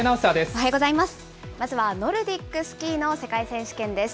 おはようございます。